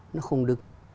nó không được